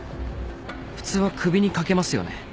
普通は首に掛けますよね。